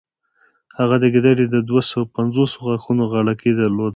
هغه د ګیدړې د دوهسوو پنځوسو غاښونو غاړکۍ درلوده.